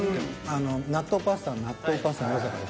あの納豆パスタは納豆パスタのよさがある。